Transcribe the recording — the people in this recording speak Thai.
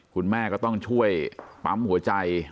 คุณแม่ก็ต้องช่วยปั๊มหัวใจ